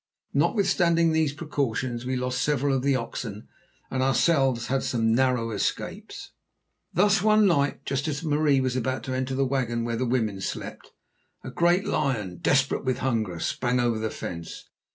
Notwithstanding these precautions, we lost several of the oxen, and ourselves had some narrow escapes. Thus, one night, just as Marie was about to enter the wagon where the women slept, a great lion, desperate with hunger, sprang over the fence.